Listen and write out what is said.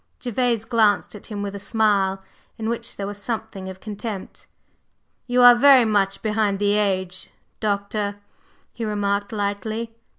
Gervase glanced at him with a smile, in which there was something of contempt. "You are very much behind the age, Doctor," he remarked lightly.